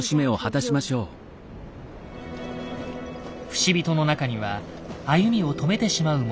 不死人の中には歩みを止めてしまう者も。